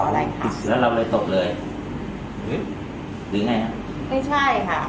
หรือถ้าโรงค์ไม่เขาหรือแล้วเราเลยตกเลยหรืออย่างเงี้ยไม่ใช่ค่ะ